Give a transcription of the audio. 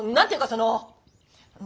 その。